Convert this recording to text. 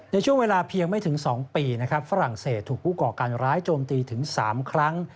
ในช่วงเวลาเพียงไม่ถึง๒ปีนะครับฝรั่งเศสถูกผู้ก่อการร้ายโจมตีถึง๓ครั้ง